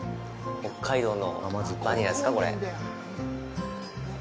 北海道のバニラですか、これ。